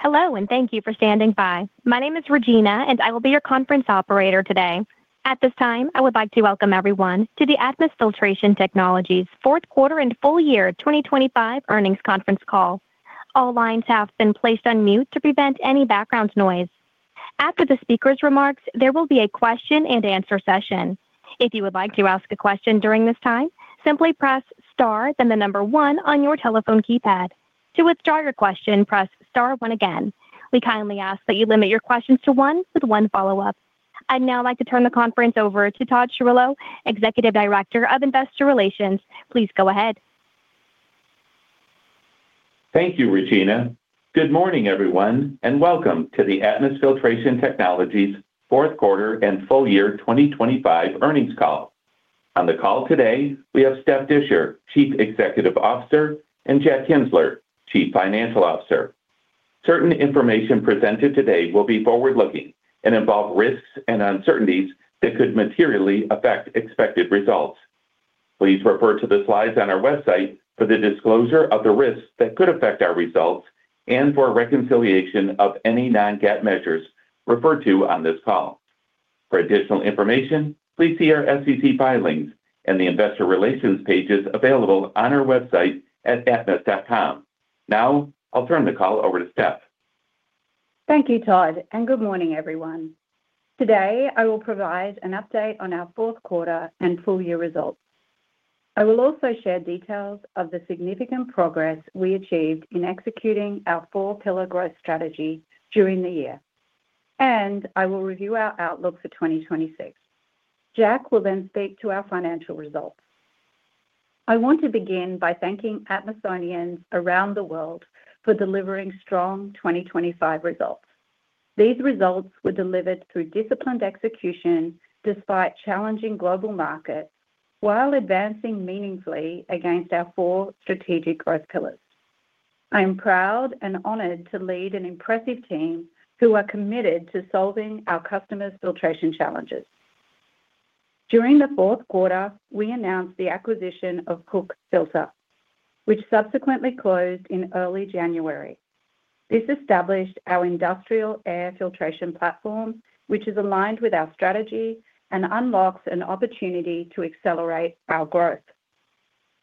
Hello, and thank you for standing by. My name is Regina, and I will be your conference operator today. At this time, I would like to welcome everyone to the Atmus Filtration Technologies fourth quarter and full year 2025 earnings conference call. All lines have been placed on mute to prevent any background noise. After the speaker's remarks, there will be a question-and-answer session. If you would like to ask a question during this time, simply press * then the number 1 on your telephone keypad. To withdraw your question, press * 1 again. We kindly ask that you limit your questions to one with one follow-up. I'd now like to turn the conference over to Todd Chillow, Executive Director of Investor Relations. Please go ahead. Thank you, Regina. Good morning, everyone, and welcome to the Atmus Filtration Technologies fourth quarter and full year 2025 earnings call. On the call today, we have Steph Disher, Chief Executive Officer, and Jack Kienzler, Chief Financial Officer. Certain information presented today will be forward-looking and involve risks and uncertainties that could materially affect expected results. Please refer to the slides on our website for the disclosure of the risks that could affect our results and for a reconciliation of any non-GAAP measures referred to on this call. For additional information, please see our SEC filings and the investor relations pages available on our website at atmus.com. Now, I'll turn the call over to Steph. Thank you, Todd, and good morning, everyone. Today, I will provide an update on our fourth quarter and full year results. I will also share details of the significant progress we achieved in executing our four-pillar growth strategy during the year, and I will review our outlook for 2026. Jack will then speak to our financial results. I want to begin by thanking Atmusians around the world for delivering strong 2025 results. These results were delivered through disciplined execution despite challenging global markets, while advancing meaningfully against our four strategic growth pillars. I am proud and honored to lead an impressive team who are committed to solving our customers' filtration challenges. During the fourth quarter, we announced the acquisition of Koch Filter, which subsequently closed in early January. This established our industrial air filtration platform, which is aligned with our strategy and unlocks an opportunity to accelerate our growth.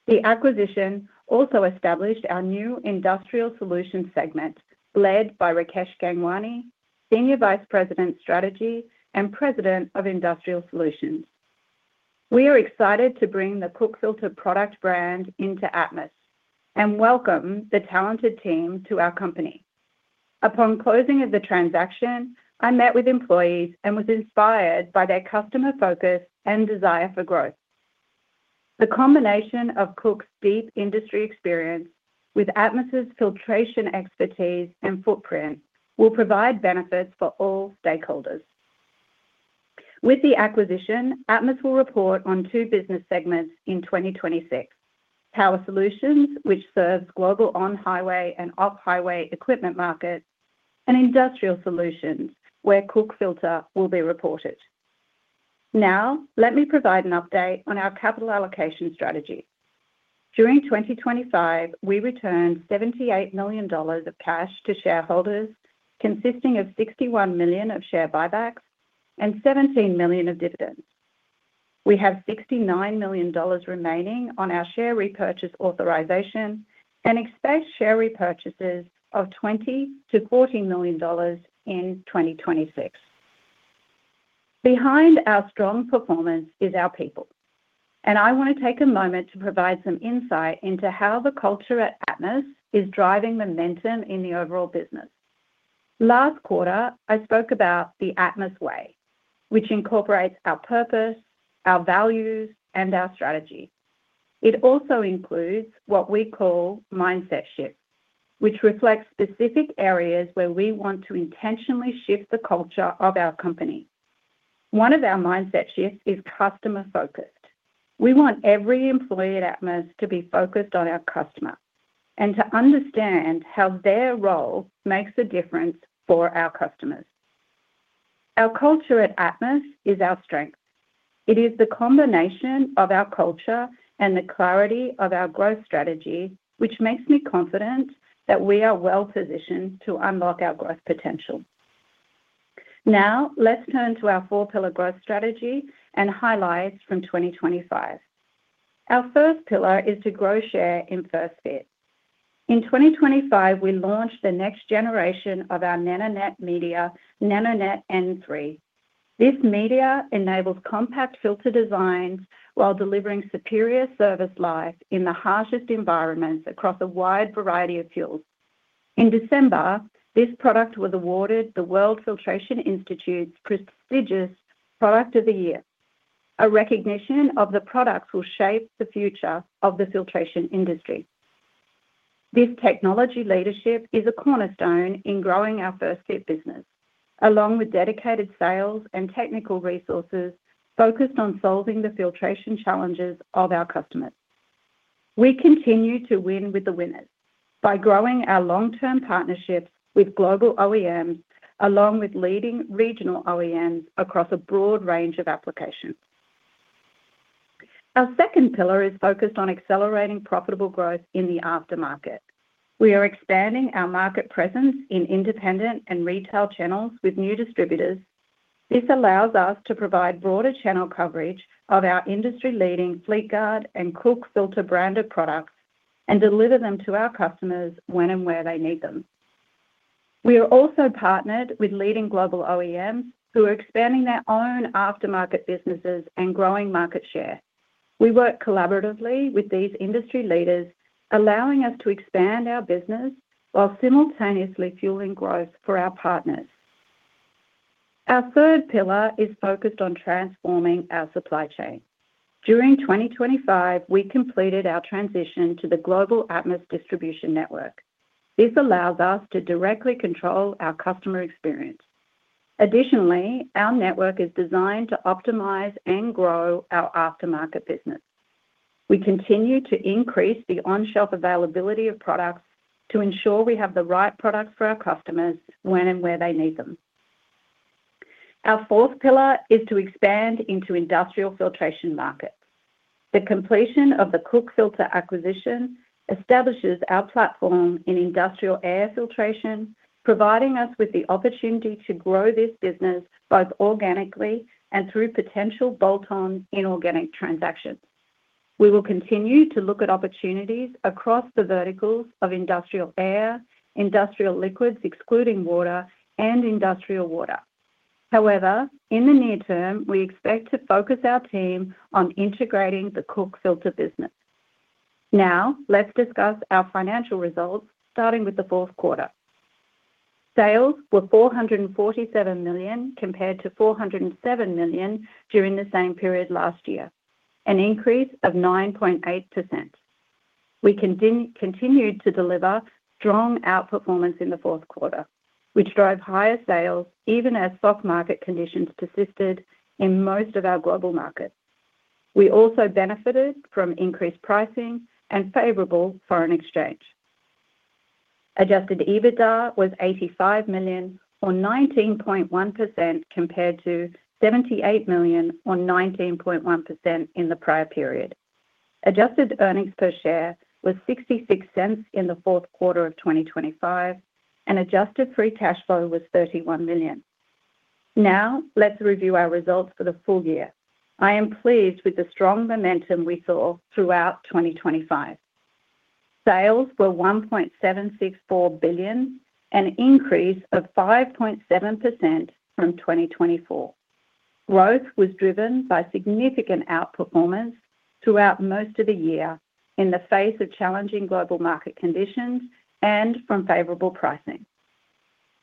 The acquisition also established our new industrial solutions segment, led by Rakesh Gangwani, Senior Vice President, Strategy, and President of Industrial Solutions. We are excited to bring the Koch Filter product brand into Atmus and welcome the talented team to our company. Upon closing of the transaction, I met with employees and was inspired by their customer focus and desire for growth. The combination of Koch's deep industry experience with Atmus's filtration expertise and footprint will provide benefits for all stakeholders. With the acquisition, Atmus will report on two business segments in 2026: Power Solutions, which serves global on-highway and off-highway equipment markets, and Industrial Solutions, where Koch Filter will be reported. Now, let me provide an update on our capital allocation strategy. During 2025, we returned $78 million of cash to shareholders, consisting of $61 million of share buybacks and $17 million of dividends. We have $69 million remaining on our share repurchase authorization and expect share repurchases of $20-$40 million in 2026. Behind our strong performance is our people, and I want to take a moment to provide some insight into how the culture at Atmus is driving momentum in the overall business. Last quarter, I spoke about the Atmus way, which incorporates our purpose, our values, and our strategy. It also includes what we call mindset shifts, which reflects specific areas where we want to intentionally shift the culture of our company. One of our mindset shifts is customer-focused. We want every employee at Atmus to be focused on our customer and to understand how their role makes a difference for our customers. Our culture at Atmus is our strength. It is the combination of our culture and the clarity of our growth strategy, which makes me confident that we are well positioned to unlock our growth potential. Now, let's turn to our four-pillar growth strategy and highlights from 2025. Our first pillar is to grow share in first fit. In 2025, we launched the next generation of our NanoNet media, NanoNet N3. This media enables compact filter designs while delivering superior service life in the harshest environments across a wide variety of fuels. In December, this product was awarded the World Filtration Institute's prestigious Product of the Year, a recognition of the products will shape the future of the filtration industry. This technology leadership is a cornerstone in growing our first fit business, along with dedicated sales and technical resources focused on solving the filtration challenges of our customers. We continue to win with the winners by growing our long-term partnerships with global OEMs, along with leading regional OEMs across a broad range of applications.... Our second pillar is focused on accelerating profitable growth in the aftermarket. We are expanding our market presence in independent and retail channels with new distributors. This allows us to provide broader channel coverage of our industry-leading Fleetguard and Koch Filter branded products and deliver them to our customers when and where they need them. We are also partnered with leading global OEMs, who are expanding their own aftermarket businesses and growing market share. We work collaboratively with these industry leaders, allowing us to expand our business while simultaneously fueling growth for our partners. Our third pillar is focused on transforming our supply chain. During 2025, we completed our transition to the global Atmus distribution network. This allows us to directly control our customer experience. Additionally, our network is designed to optimize and grow our aftermarket business. We continue to increase the on-shelf availability of products to ensure we have the right products for our customers when and where they need them. Our fourth pillar is to expand into industrial filtration markets. The completion of the Koch Filter acquisition establishes our platform in industrial air filtration, providing us with the opportunity to grow this business both organically and through potential bolt-on inorganic transactions. We will continue to look at opportunities across the verticals of industrial air, industrial liquids, excluding water, and industrial water. However, in the near term, we expect to focus our team on integrating the Koch Filter business. Now, let's discuss our financial results, starting with the fourth quarter. Sales were $447 million, compared to $407 million during the same period last year, an increase of 9.8%. We continued to deliver strong outperformance in the fourth quarter, which drove higher sales even as soft market conditions persisted in most of our global markets. We also benefited from increased pricing and favorable foreign exchange. Adjusted EBITDA was $85 million or 19.1%, compared to $78 million or 19.1% in the prior period. Adjusted earnings per share was $0.66 in the fourth quarter of 2025, and adjusted free cash flow was $31 million. Now, let's review our results for the full year. I am pleased with the strong momentum we saw throughout 2025. Sales were $1.764 billion, an increase of 5.7% from 2024. Growth was driven by significant outperformance throughout most of the year in the face of challenging global market conditions and from favorable pricing.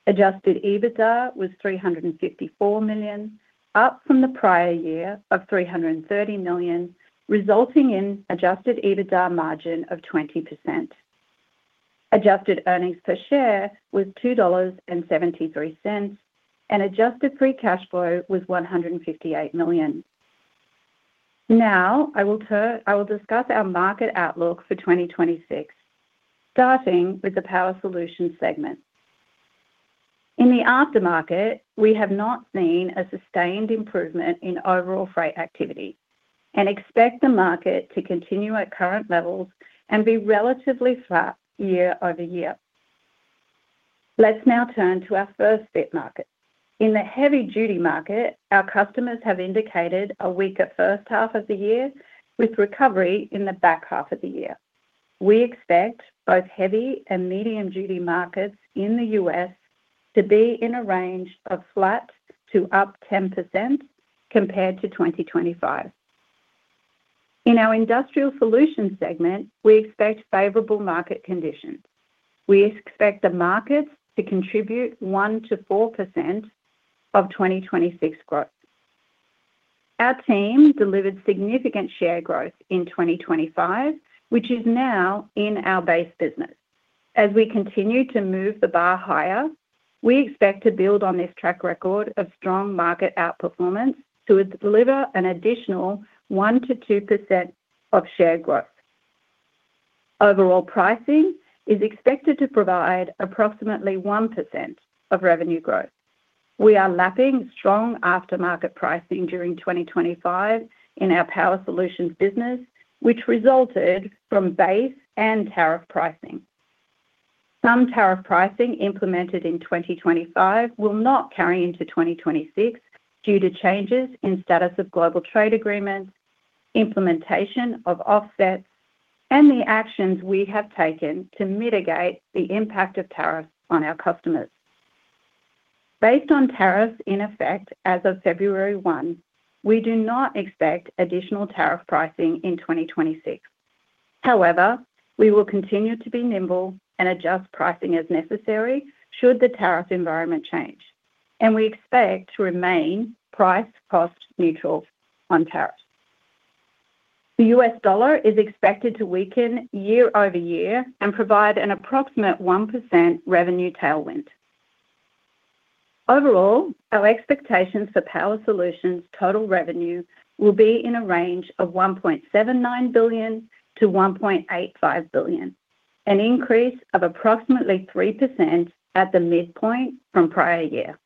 Adjusted EBITDA was $354 million, up from the prior year of $330 million, resulting in adjusted EBITDA margin of 20%. Adjusted earnings per share was $2.73 and adjusted free cash flow was $158 million. Now, I will turn—I will discuss our market outlook for 2026, starting with the Power Solutions segment. In the aftermarket, we have not seen a sustained improvement in overall freight activity and expect the market to continue at current levels and be relatively flat year-over-year. Let's now turn to our First Fit market. In the heavy-duty market, our customers have indicated a weaker first half of the year, with recovery in the back half of the year. We expect both heavy and medium-duty markets in the U.S. to be in a range of flat to up 10% compared to 2025. In our Industrial Solutions segment, we expect favorable market conditions. We expect the markets to contribute 1%-4% of 2026 growth. Our team delivered significant share growth in 2025, which is now in our base business. As we continue to move the bar higher, we expect to build on this track record of strong market outperformance to deliver an additional 1%-2% of share growth. Overall pricing is expected to provide approximately 1% of revenue growth. We are lapping strong aftermarket pricing during 2025 in our Power Solutions business, which resulted from base and tariff pricing. Some tariff pricing implemented in 2025 will not carry into 2026 due to changes in status of global trade agreements, implementation of offsets, and the actions we have taken to mitigate the impact of tariffs on our customers. Based on tariffs in effect as of February 1, we do not expect additional tariff pricing in 2026. However, we will continue to be nimble and adjust pricing as necessary should the tariff environment change, and we expect to remain price cost neutral on tariffs. The U.S. dollar is expected to weaken year-over-year and provide an approximate 1% revenue tailwind. Overall, our expectations for Power Solutions' total revenue will be in a range of $1.79 billion-$1.85 billion, an increase of approximately 3% at the midpoint from prior year.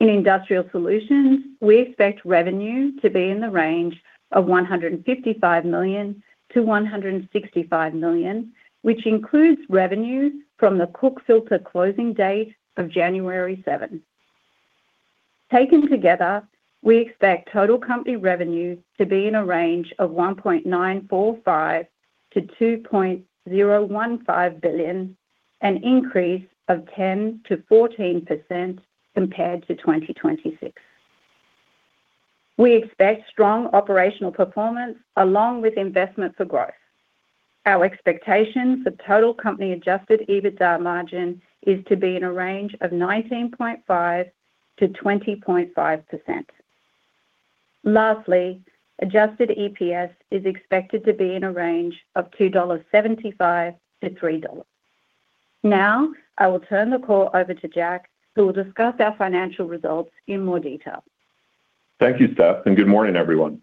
In Industrial Solutions, we expect revenue to be in the range of $155 million-$165 million, which includes revenue from the Koch Filter closing date of January 7. Taken together, we expect total company revenue to be in a range of $1.945 billion-$2.015 billion, an increase of 10%-14% compared to 2026. We expect strong operational performance along with investment for growth. Our expectation for total company Adjusted EBITDA margin is to be in a range of 19.5%-20.5%. Lastly, Adjusted EPS is expected to be in a range of $2.75-$3. Now, I will turn the call over to Jack, who will discuss our financial results in more detail. Thank you, Steph, and good morning, everyone.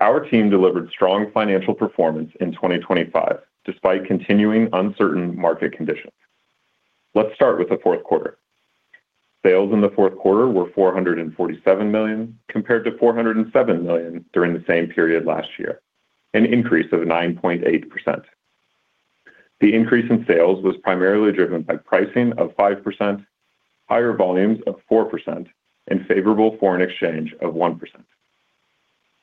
Our team delivered strong financial performance in 2025, despite continuing uncertain market conditions. Let's start with the fourth quarter. Sales in the fourth quarter were $447 million, compared to $407 million during the same period last year, an increase of 9.8%. The increase in sales was primarily driven by pricing of 5%, higher volumes of 4%, and favorable foreign exchange of 1%.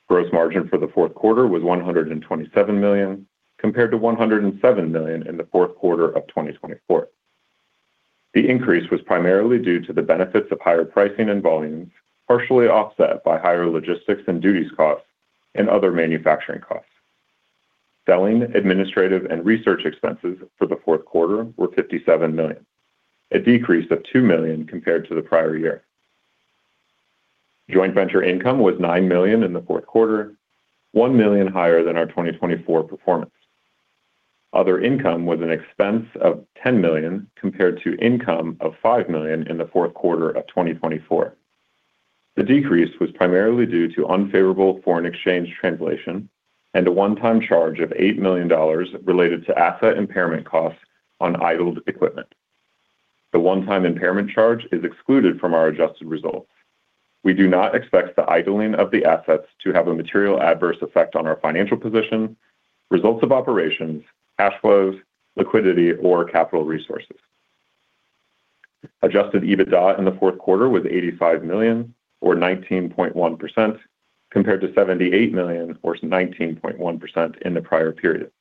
Gross margin for the fourth quarter was $127 million, compared to $107 million in the fourth quarter of 2024. The increase was primarily due to the benefits of higher pricing and volumes, partially offset by higher logistics and duties costs and other manufacturing costs. Selling, administrative, and research expenses for the fourth quarter were $57 million, a decrease of $2 million compared to the prior year. Joint venture income was $9 million in the fourth quarter, $1 million higher than our 2024 performance. Other income was an expense of $10 million, compared to income of $5 million in the fourth quarter of 2024. The decrease was primarily due to unfavorable foreign exchange translation and a one-time charge of $8 million related to asset impairment costs on idled equipment. The one-time impairment charge is excluded from our adjusted results. We do not expect the idling of the assets to have a material adverse effect on our financial position, results of operations, cash flows, liquidity, or capital resources. Adjusted EBITDA in the fourth quarter was $85 million or 19.1%, compared to $78 million or 19.1% in the prior period.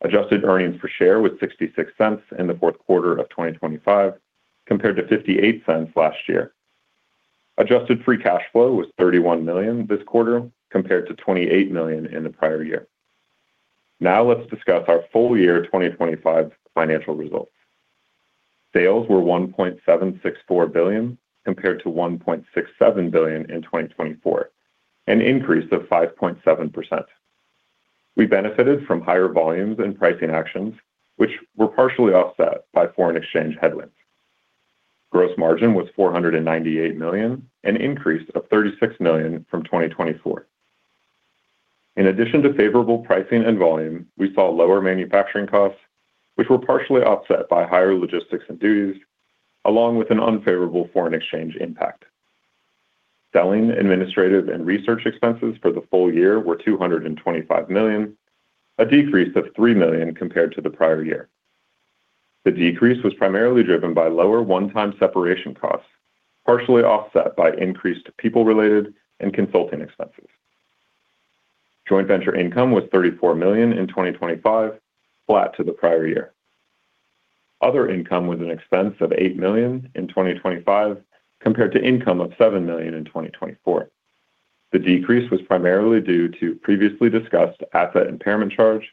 Adjusted earnings per share was $0.66 in the fourth quarter of 2025, compared to $0.58 last year. Adjusted free cash flow was $31 million this quarter, compared to $28 million in the prior year. Now, let's discuss our full year 2025 financial results. Sales were $1.764 billion, compared to $1.67 billion in 2024, an increase of 5.7%. We benefited from higher volumes and pricing actions, which were partially offset by foreign exchange headwinds. Gross margin was $498 million, an increase of $36 million from 2024. In addition to favorable pricing and volume, we saw lower manufacturing costs, which were partially offset by higher logistics and duties, along with an unfavorable foreign exchange impact. Selling, administrative, and research expenses for the full year were $225 million, a decrease of $3 million compared to the prior year. The decrease was primarily driven by lower one-time separation costs, partially offset by increased people-related and consulting expenses. Joint venture income was $34 million in 2025, flat to the prior year. Other income was an expense of $8 million in 2025, compared to income of $7 million in 2024. The decrease was primarily due to previously discussed asset impairment charge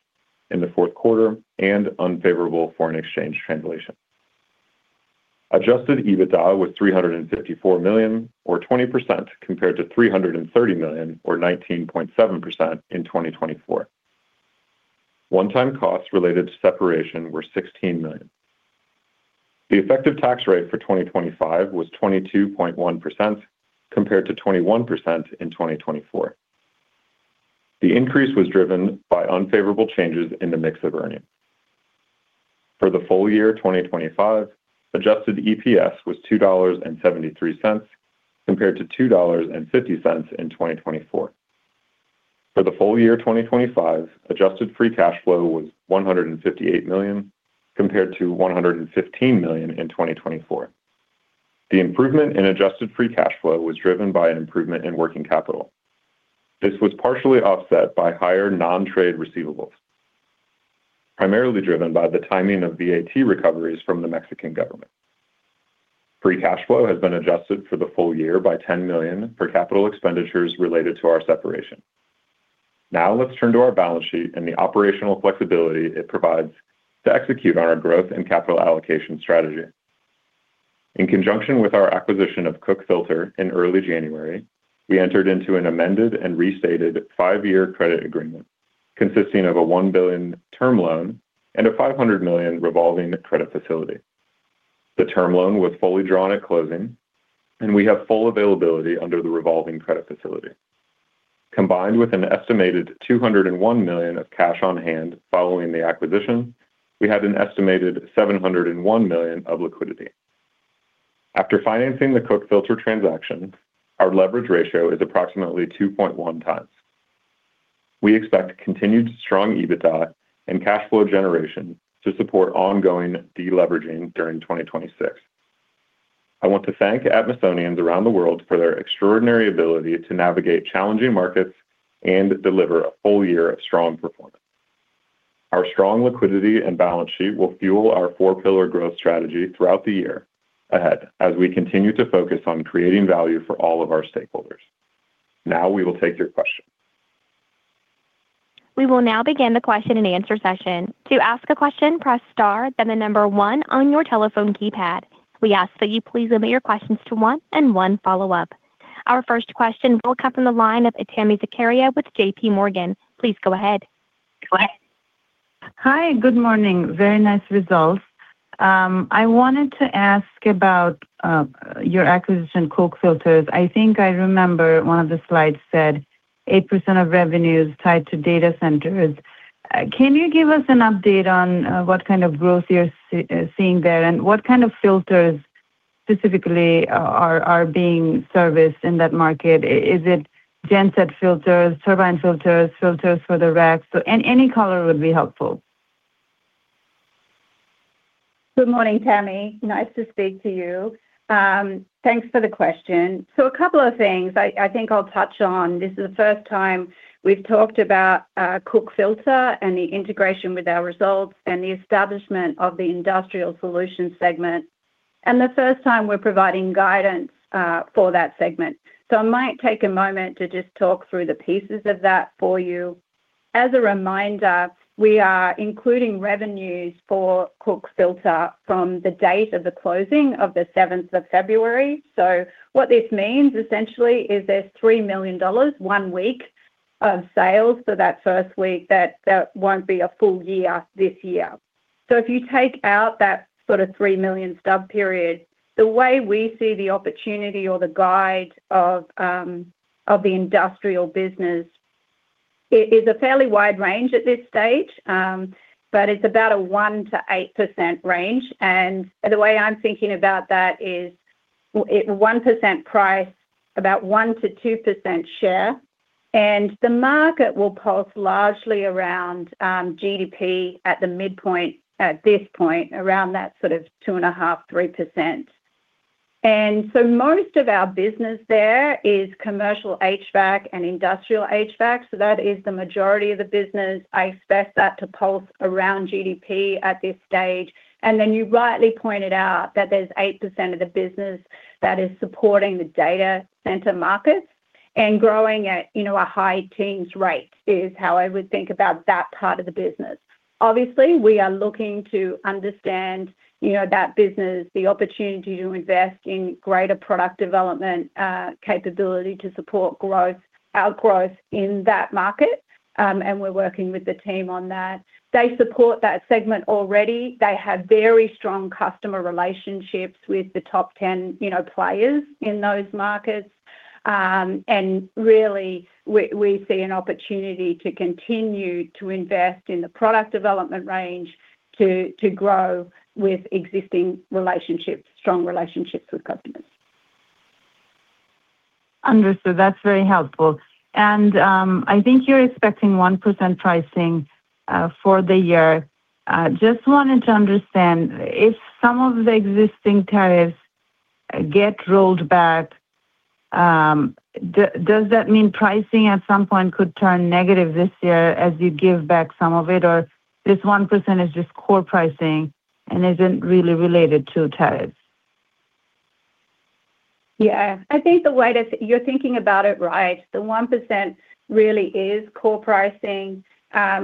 in the fourth quarter and unfavorable foreign exchange translation. Adjusted EBITDA was $354 million or 20%, compared to $330 million or 19.7% in 2024. One-time costs related to separation were $16 million. The effective tax rate for 2025 was 22.1%, compared to 21% in 2024. The increase was driven by unfavorable changes in the mix of earnings. For the full year 2025, adjusted EPS was $2.73, compared to $2.50 in 2024. For the full year 2025, adjusted free cash flow was $158 million, compared to $115 million in 2024. The improvement in adjusted free cash flow was driven by an improvement in working capital. This was partially offset by higher non-trade receivables, primarily driven by the timing of VAT recoveries from the Mexican government. Free cash flow has been adjusted for the full year by $10 million for capital expenditures related to our separation. Now, let's turn to our balance sheet and the operational flexibility it provides to execute on our growth and capital allocation strategy. In conjunction with our acquisition of Koch Filter in early January, we entered into an amended and restated five-year credit agreement consisting of a $1 billion term loan and a $500 million revolving credit facility. The term loan was fully drawn at closing, and we have full availability under the revolving credit facility. Combined with an estimated $201 million of cash on hand following the acquisition, we had an estimated $701 million of liquidity. After financing the Koch Filter transaction, our leverage ratio is approximately 2.1 times. We expect continued strong EBITDA and cash flow generation to support ongoing deleveraging during 2026. I want to thank Atmusians around the world for their extraordinary ability to navigate challenging markets and deliver a full year of strong performance. Our strong liquidity and balance sheet will fuel our four pillar growth strategy throughout the year ahead, as we continue to focus on creating value for all of our stakeholders. Now, we will take your questions. We will now begin the question-and-answer session. To ask a question, press * then the number 1 on your telephone keypad. We ask that you please limit your questions to one and one follow-up. Our first question will come from the line of Tami Zakaria with JP Morgan. Please go ahead. Hi, good morning. Very nice results. I wanted to ask about your acquisition, Koch Filter. I think I remember one of the slides said 8% of revenue is tied to data centers. Can you give us an update on what kind of growth you're seeing there, and what kind of filters specifically are being serviced in that market? Is it genset filters, turbine filters, filters for the racks? So any color would be helpful. Good morning, Tammy. Nice to speak to you. Thanks for the question. So a couple of things I think I'll touch on. This is the first time we've talked about Koch Filter and the integration with our results and the establishment of the industrial solutions segment, and the first time we're providing guidance for that segment. So I might take a moment to just talk through the pieces of that for you. As a reminder, we are including revenues for Koch Filter from the date of the closing of the seventh of February. So what this means, essentially, is there's $3 million, one week of sales for that first week, that won't be a full year this year. So if you take out that sort of $3 million stub period, the way we see the opportunity or the guide of, of the industrial business is a fairly wide range at this stage, but it's about a 1%-8% range. And the way I'm thinking about that is, a 1% price, about 1%-2% share, and the market will pulse largely around, GDP at the midpoint, at this point, around that sort of 2.5-3%. And so most of our business there is commercial HVAC and industrial HVAC, so that is the majority of the business. I expect that to pulse around GDP at this stage. And then you rightly pointed out that there's 8% of the business that is supporting the data center markets and growing at, you know, a high-teens rate, is how I would think about that part of the business. Obviously, we are looking to understand, you know, that business, the opportunity to invest in greater product development capability to support growth, our growth in that market, and we're working with the team on that. They support that segment already. They have very strong customer relationships with the top 10, you know, players in those markets. And really, we see an opportunity to continue to invest in the product development range to grow with existing relationships, strong relationships with customers. Understood. That's very helpful. And, I think you're expecting 1% pricing for the year. Just wanted to understand, if some of the existing tariffs get rolled back, does that mean pricing at some point could turn negative this year as you give back some of it? Or this 1% is just core pricing and isn't really related to tariffs? Yeah, I think the way that... you're thinking about it right. The 1% really is core pricing.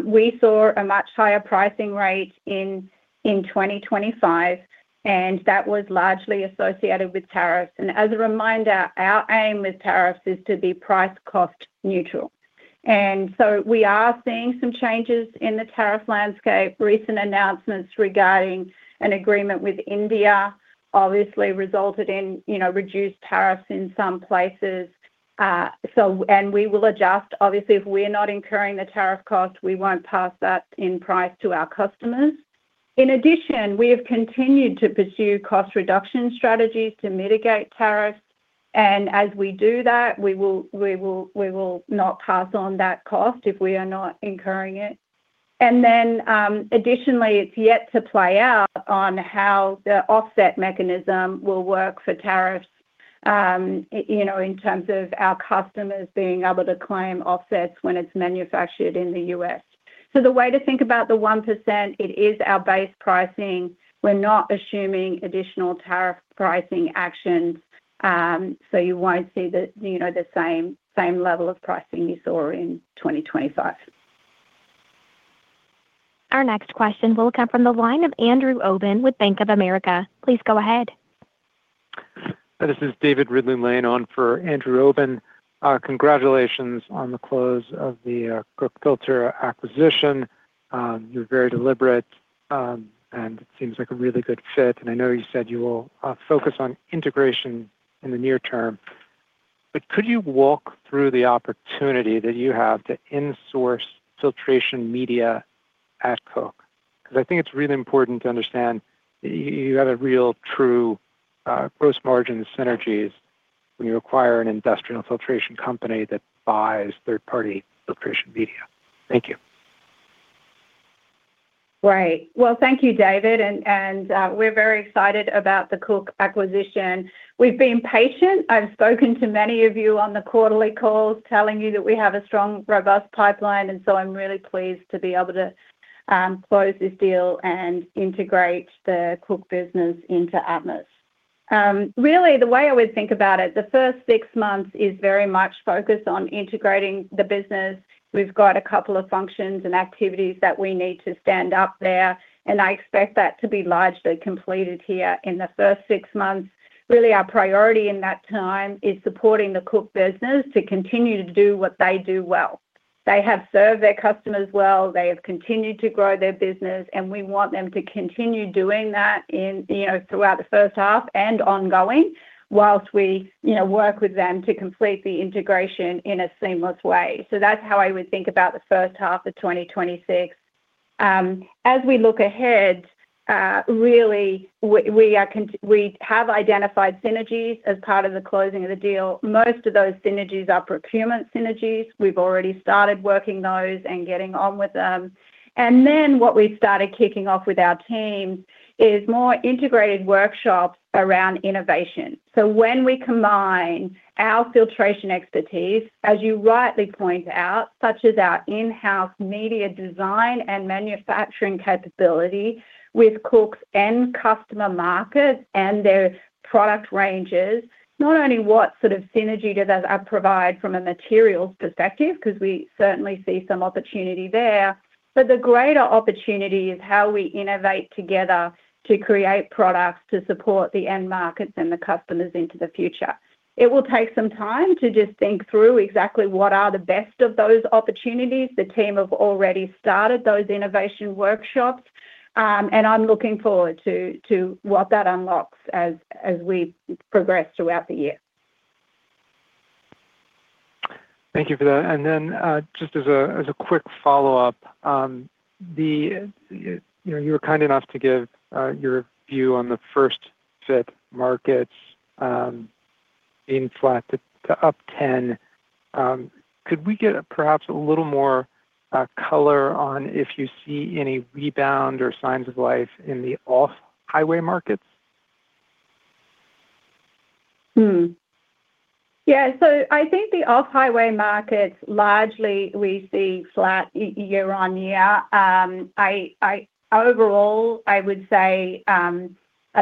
We saw a much higher pricing rate in 2025, and that was largely associated with tariffs. And as a reminder, our aim with tariffs is to be price-cost neutral. And so we are seeing some changes in the tariff landscape. Recent announcements regarding an agreement with India obviously resulted in, you know, reduced tariffs in some places, and we will adjust. Obviously, if we're not incurring the tariff cost, we won't pass that in price to our customers. In addition, we have continued to pursue cost reduction strategies to mitigate tariffs, and as we do that, we will not pass on that cost if we are not incurring it. Then, additionally, it's yet to play out on how the offset mechanism will work for tariffs, you know, in terms of our customers being able to claim offsets when it's manufactured in the U.S.. So the way to think about the 1%, it is our base pricing. We're not assuming additional tariff pricing actions, so you won't see the, you know, the same, same level of pricing you saw in 2025. Our next question will come from the line of Andrew Obin, with Bank of America. Please go ahead. This is David Ridley-Lane for Andrew Obin. Congratulations on the close of the Koch Filter acquisition.... You're very deliberate, and it seems like a really good fit. And I know you said you will focus on integration in the near term, but could you walk through the opportunity that you have to insource filtration media at Koch? Because I think it's really important to understand you, you have a real true gross margin synergies when you acquire an industrial filtration company that buys third-party filtration media. Thank you. Great. Well, thank you, David. We're very excited about the Koch acquisition. We've been patient. I've spoken to many of you on the quarterly calls, telling you that we have a strong, robust pipeline, and so I'm really pleased to be able to close this deal and integrate the Koch business into Atmus. Really, the way I always think about it, the first six months is very much focused on integrating the business. We've got a couple of functions and activities that we need to stand up there, and I expect that to be largely completed here in the first six months. Really, our priority in that time is supporting the Koch business to continue to do what they do well. They have served their customers well. They have continued to grow their business, and we want them to continue doing that in, you know, throughout the first half and ongoing, while we, you know, work with them to complete the integration in a seamless way. So, that's how I would think about the first half of 2026. As we look ahead, really, we are con—we have identified synergies as part of the closing of the deal. Most of those synergies are procurement synergies. We've already started working those and getting on with them. And then, what we've started kicking off with our teams is more integrated workshops around innovation. So, when we combine our filtration expertise, as you rightly point out, such as our in-house media design and manufacturing capability with Koch's end customer market and their product ranges, not only what sort of synergy does that provide from a materials perspective, 'cause we certainly see some opportunity there. But the greater opportunity is how we innovate together to create products to support the end markets and the customers into the future. It will take some time to just think through exactly what are the best of those opportunities. The team have already started those innovation workshops, and I'm looking forward to what that unlocks as we progress throughout the year. Thank you for that. And then, just as a quick follow-up, you know, you were kind enough to give your view on the First Fit markets, being flat to up 10. Could we get perhaps a little more color on if you see any rebound or signs of life in the off-highway markets? Yeah, so, I think the off-highway markets, largely, we see flat year-over-year. Overall, I would say a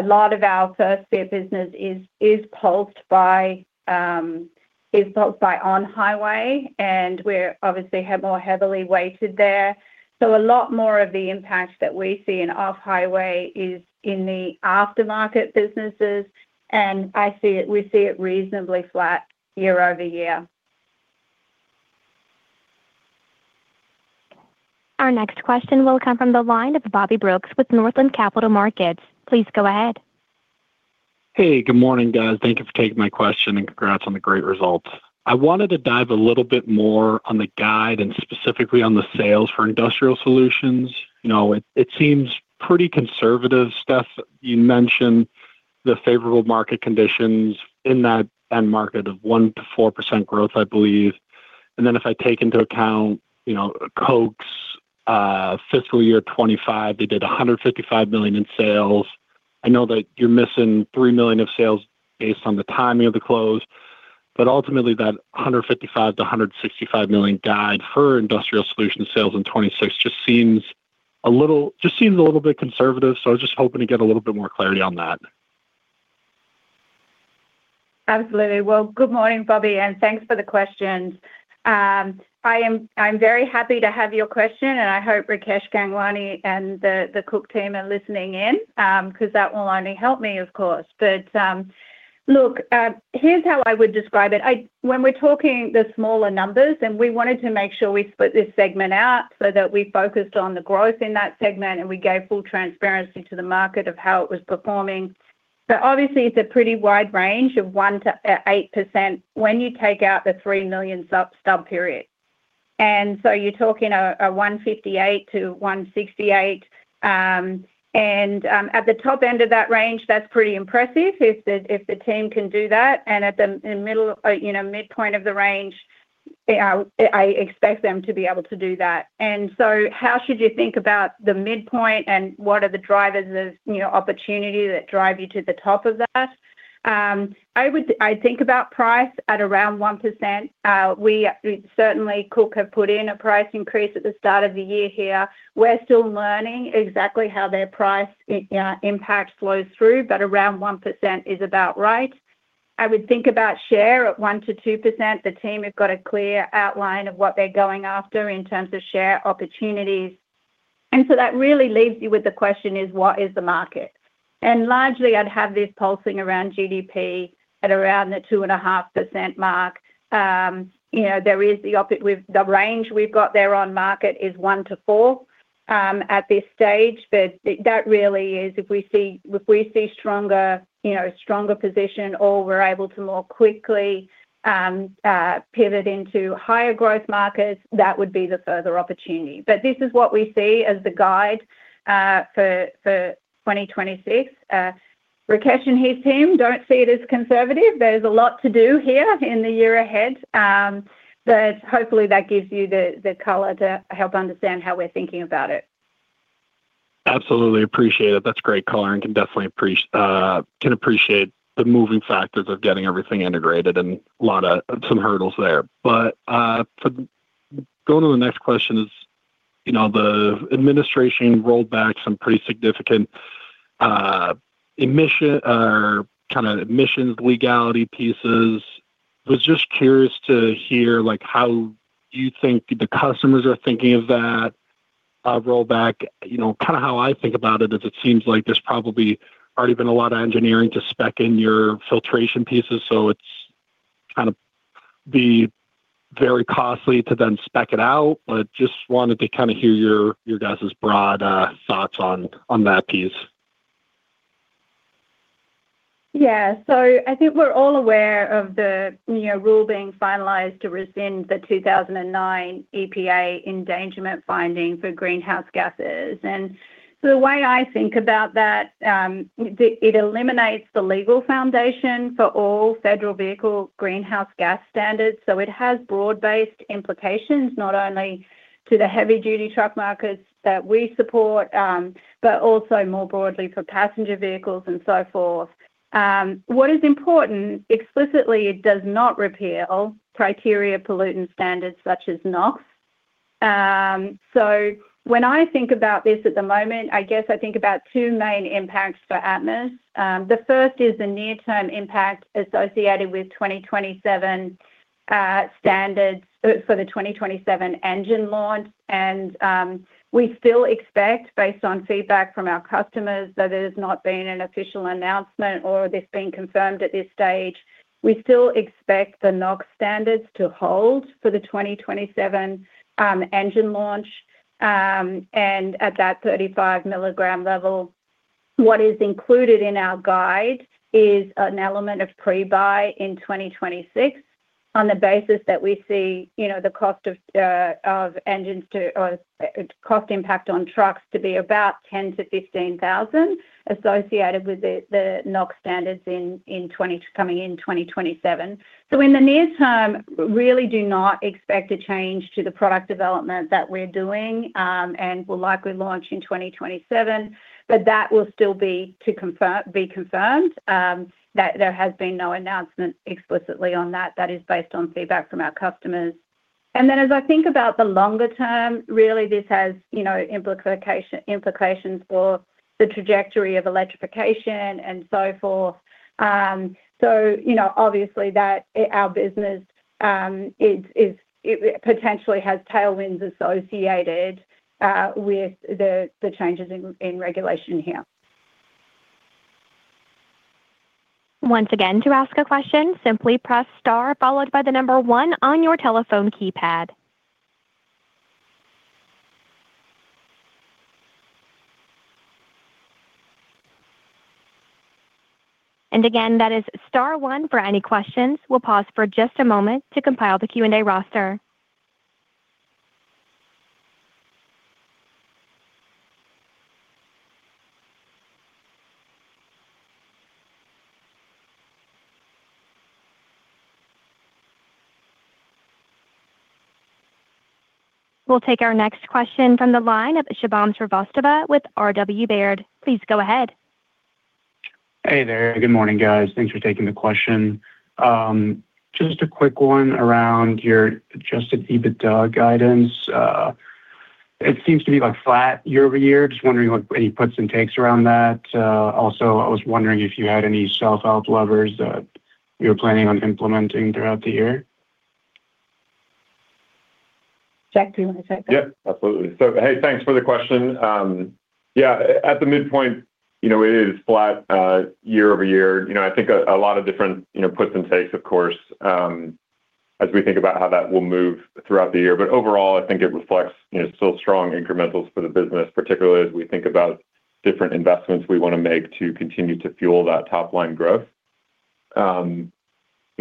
lot of our First Fit business is pulsed by on-highway, and we're obviously more heavily weighted there. So, a lot more of the impact that we see in off-highway is in the aftermarket businesses, and we see it reasonably flat year-over-year. Our next question will come from the line of Bobby Brooks, with Northland Capital Markets. Please go ahead. Hey, good morning, guys. Thank you for taking my question, and congrats on the great results. I wanted to dive a little bit more on the guide and specifically on the sales for industrial solutions. You know, it seems pretty conservative stuff. You mentioned the favorable market conditions in that end market of 1%-4% growth, I believe. And then, if I take into account, you know, Koch's fiscal year 2025, they did $155 million in sales. I know that you're missing $3 million of sales based on the timing of the close, but ultimately, that $155 million-$165 million guide for industrial solutions sales in 2026 just seems a little—just seems a little bit conservative. So, I was just hoping to get a little bit more clarity on that. Absolutely. Well, good morning, Bobby, and thanks for the questions. I'm very happy to have your question, and I hope Rakesh Gangwani and the Koch team are listening in, 'cause that will only help me, of course. But look, here's how I would describe it. When we're talking the smaller numbers, and we wanted to make sure we split this segment out so that we focused on the growth in that segment, and we gave full transparency to the market of how it was performing. So, obviously, it's a pretty wide range of 1%-8% when you take out the $3 million sub-stub period. And so you're talking a 158-168, and at the top end of that range, that's pretty impressive, if the team can do that. At the midpoint of the range, I expect them to be able to do that. And so how should you think about the midpoint, and what are the drivers of, you know, opportunity that drive you to the top of that? I would... I think about price at around 1%. We, certainly, Koch have put in a price increase at the start of the year here. We're still learning exactly how their price impact flows through, but around 1% is about right. I would think about share at 1%-2%. The team have got a clear outline of what they're going after in terms of share opportunities. And so that really leaves you with the question is, what is the market? Largely, I'd have this pulsing around GDP at around the 2.5% mark. You know, there is with the range we've got there on market is 1%-4% at this stage. But that really is if we see, if we see stronger, you know, stronger position or we're able to more quickly pivot into higher growth markets, that would be the further opportunity. But this is what we see as the guide for 2026. Rakesh and his team don't see it as conservative. There's a lot to do here in the year ahead. But hopefully, that gives you the color to help understand how we're thinking about it. Absolutely, appreciate it. That's great color, and can definitely appreciate the moving factors of getting everything integrated, and a lot of some hurdles there. But, to go to the next question is, you know, the administration rolled back some pretty significant emission, or kinda emissions legality pieces. I was just curious to hear, like, how you think the customers are thinking of that rollback. You know, kinda how I think about it is it seems like there's probably already been a lot of engineering to spec in your filtration pieces, so it's kinda be very costly to then spec it out. But just wanted to kinda hear your guys' broad thoughts on that piece. Yeah. So, I think we're all aware of the, you know, rule being finalized to rescind the 2009 EPA endangerment finding for greenhouse gases. And so, the way I think about that, it eliminates the legal foundation for all federal vehicle greenhouse gas standards. So, it has broad-based implications, not only to the heavy-duty truck markets that we support, but also more broadly for passenger vehicles and so forth. What is important, explicitly, it does not repeal criteria pollutant standards such as NOx. So, when I think about this at the moment, I guess I think about two main impacts for Atmus. The first is the near-term impact associated with 2027 standards for the 2027 engine launch. We still expect, based on feedback from our customers, that there's not been an official announcement or this being confirmed at this stage. We still expect the NOx standards to hold for the 2027 engine launch and at that 35 milligram level. What is included in our guide is an element of pre-buy in 2026 on the basis that we see, you know, the cost of engines or cost impact on trucks to be about $10,000-$15,000 associated with the NOx standards in coming in 2027. So, in the near term, really do not expect a change to the product development that we're doing and will likely launch in 2027, but that will still be to be confirmed that there has been no announcement explicitly on that. That is based on feedback from our customers. And then, as I think about the longer term, really this has, you know, implications for the trajectory of electrification and so forth. So, you know, obviously that our business is it potentially has tailwinds associated with the changes in regulation here. Once again, to ask a question, simply press star, followed by the number one on your telephone keypad. Again, that is star one for any questions. We'll pause for just a moment to compile the Q&A roster. We'll take our next question from the line of Shubham Srivastava with R.W. Baird. Please go ahead. Hey there. Good morning, guys. Thanks for taking the question. Just a quick one around your Adjusted EBITDA guidance. It seems to be, like, flat year-over-year. Just wondering what any puts and takes around that. Also, I was wondering if you had any self-help levers that you were planning on implementing throughout the year. Jack, do you want to take that? Yeah, absolutely. So, hey, thanks for the question. Yeah, at the midpoint, you know, it is flat year-over-year. You know, I think a lot of different, you know, puts and takes, of course, as we think about how that will move throughout the year. But overall, I think it reflects, you know, still strong incremental for the business, particularly as we think about different investments we wanna make to continue to fuel that top-line growth. You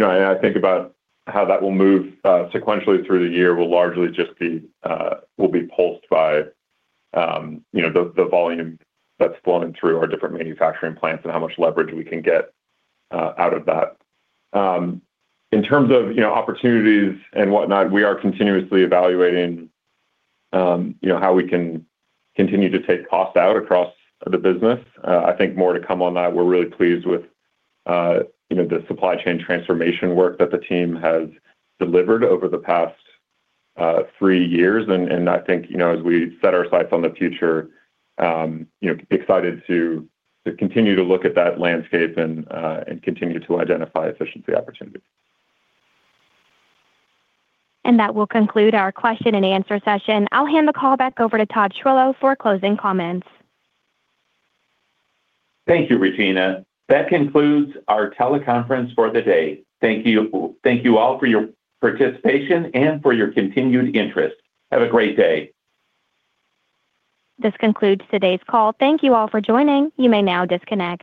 know, and I think about how that will move sequentially through the year will largely just be, will be pulsed by, you know, the volume that's flowing through our different manufacturing plants and how much leverage we can get out of that. In terms of, you know, opportunities and whatnot, we are continuously evaluating, you know, how we can continue to take costs out across the business. I think more to come on that, we're really pleased with, you know, the supply chain transformation work that the team has delivered over the past three years. And, and I think, you know, as we set our sights on the future, you know, excited to, to continue to look at that landscape and, and continue to identify efficiency opportunities. That will conclude our question-and-answer session. I'll hand the call back over to Todd Chillow for closing comments. Thank you, Regina. That concludes our teleconference for the day. Thank you, thank you all for your participation and for your continued interest. Have a great day! This concludes today's call. Thank you all for joining. You may now disconnect.